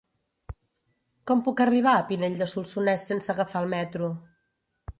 Com puc arribar a Pinell de Solsonès sense agafar el metro?